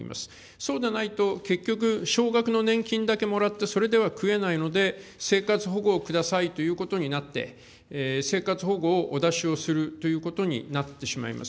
そうでないと、結局、少額の年金だけもらってそれでは食えないので、生活保護をくださいということになって、生活保護をお出しをするということになってしまいます。